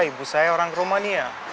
ibu saya orang romania